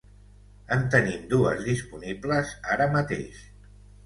En tenim dues disponibles ara mateix.